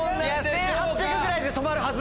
１８００ぐらいで止まるはず。